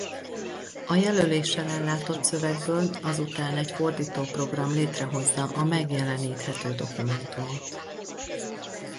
A jelöléssel ellátott szövegből azután egy fordítóprogram létrehozza a megjeleníthető dokumentumot.